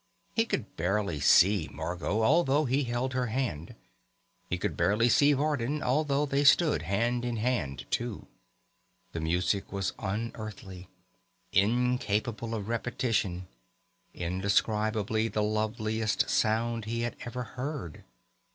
He could barely see Margot, although he held her hand. He could barely see Vardin although they stood hand in hand too. The music was un Earthly, incapable of repetition, indescribably the loveliest sound he had ever heard.